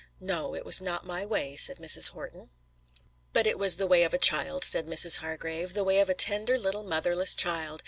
"No; it was not my way," said Mrs. Horton. "But it was the way of a child," said Mrs. Hargrave. "The way of a tender little motherless child!